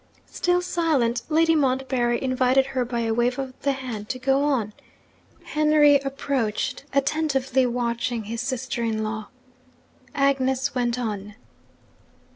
Still silent, Lady Montbarry invited her by a wave of the hand to go on. Henry approached, attentively watching his sister in law. Agnes went on.